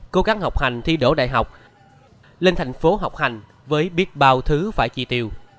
cố gắng học hành thi đỗ đại học lên thành phố học hành với biết bao thứ phải chi tiêu